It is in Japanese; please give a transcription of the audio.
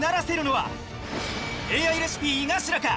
ＡＩレシピ井頭か？